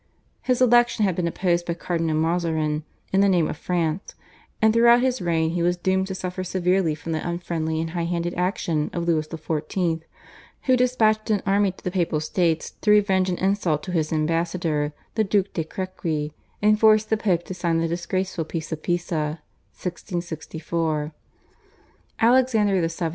His election had been opposed by Cardinal Mazarin in the name of France, and throughout his reign he was doomed to suffer severely from the unfriendly and high handed action of Louis XIV., who despatched an army to the Papal States to revenge an insult to his ambassador, the Duc de Crequi, and forced the Pope to sign the disgraceful Peace of Pisa (1664). Alexander VII.